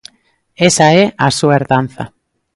Esa é a súa herdanza.